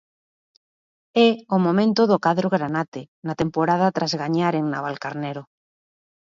É o momento do cadro granate na temporada tras gañar en Navalcarnero.